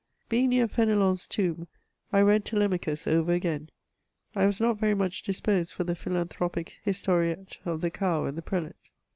Being near F^n^on's tomb, I read Telemachus over again ; I was not very much disposed for the philanthropic histo riette of the cow and the prelate.